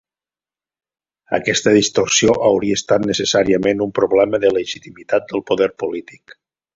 Aquesta distorsió hauria estat necessàriament un problema de legitimitat del poder polític.